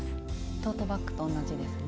トートバッグと同じですね。